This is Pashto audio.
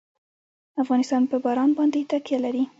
افغانستان په باران باندې تکیه لري.